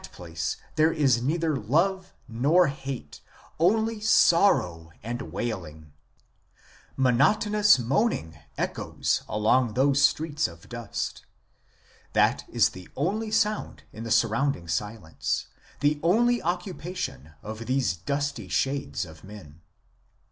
6 82 IMMORTALITY AND THE UNSEEN WORLD there is neither love nor hate ; only sorrow and wailing ; monotonous moaning echoes along those streets of dust ; that is the only sound in the surrounding silence, the only occupation of the dusty shades of men.